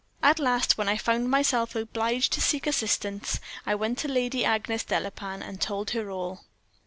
At last, when I found myself obliged to seek assistance, I went to Lady Agnes Delapain, and told her all.